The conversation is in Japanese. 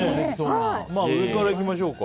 上からいきましょうか。